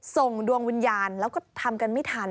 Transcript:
ส่งดวงวิญญาณแล้วก็ทำกันไม่ทัน